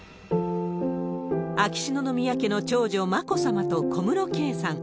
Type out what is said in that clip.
秋篠宮家の長女、眞子さまと小室圭さん。